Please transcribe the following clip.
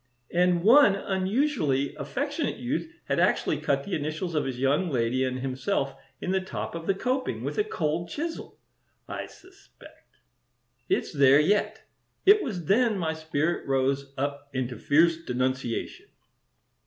And one unusually affectionate youth had actually cut the initials of his young lady and himself in the top of the coping, with a cold chisel, I suspect. It's there yet. It was then my spirit rose up into fierce denunciation.